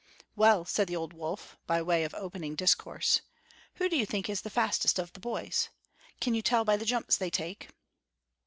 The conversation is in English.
"Well," said the old wolf, by way of opening discourse, "who do you think is the fastest of the boys? Can you tell by the jumps they take?"